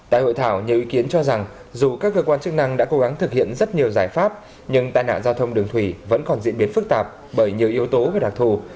tại hội thảo nhiều ý kiến cho rằng dù các cơ quan chức năng đã cố gắng thực hiện rất nhiều giải pháp nhưng tai nạn giao thông đường thủy vẫn còn diễn biến phức tạp bởi nhiều yếu tố về đặc thù